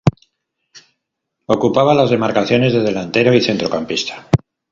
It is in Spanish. Ocupaba las demarcaciones de delantero y centrocampista.